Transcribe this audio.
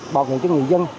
bảo vệ cho người dân